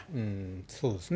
そうですね。